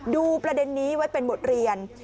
ประเด็นนี้ไว้เป็นบทเรียน